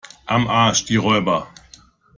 Am Arsch die Räuber!